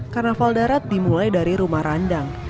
karnaval darat dimulai dari rumah randang